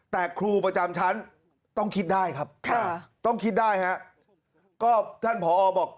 แต่ครูประจำชั้นต้องคิดได้ครับท่านพอบอก